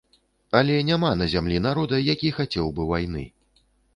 Але няма на зямлі народа, які хацеў бы вайны.